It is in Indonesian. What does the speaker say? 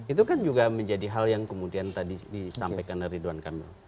itu kan juga menjadi hal yang kemudian tadi disampaikan ridwan kamil